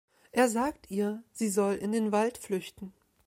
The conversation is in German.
Er sagt ihr, sie soll in den Wald flüchten.